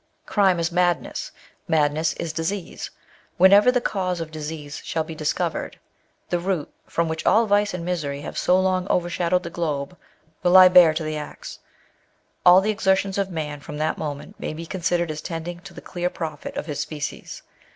Crime is madness. Madness is disease. Whenever the cause of disease shall be discovered, the root, from which all vice and misery have so long overshadowed the globe, will lie bare to the axe. All the exertions of man, from that moment, may be considered as tending to the clear profit of his species.